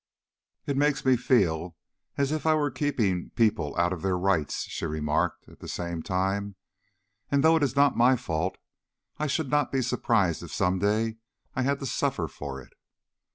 'It makes me feel as if I were keeping people out of their rights,' she remarked at the same time. 'And, though it is not my fault, I should not be surprised if some day I had to suffer for it.'"